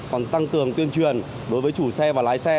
còn tăng cường tuyên truyền đối với chủ xe và lái xe